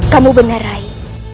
kamu benar rai